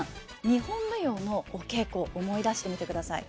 日本舞踊のお稽古思い出してみてください。